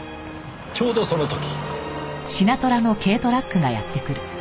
ちょうどその時。